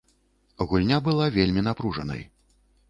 Гульня была вельмі напружанай.